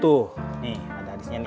tuh nih ada hadisnya nih